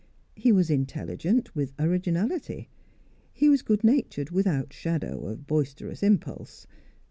He was intelligent, with originality; he was good natured without shadow of boisterous impulse.